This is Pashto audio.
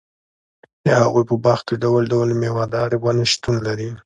د هغوي په باغ کي ډول٬ډول ميوه داري وني شتون لري